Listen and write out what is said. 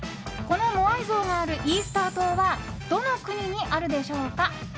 このモアイ像があるイースター島はどの国にあるでしょうか？